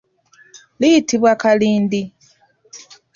Liyitibwa kalindi.